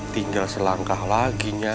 tinggal selangkah lagi nyai